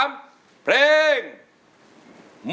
ไม่ใช้